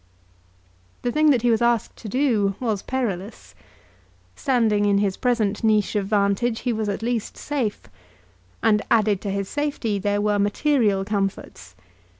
The thing that he was asked to do was perilous. Standing in his present niche of vantage he was at least safe. And added to his safety there were material comforts.